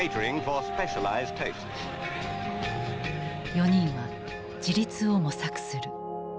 ４人は自立を模索する。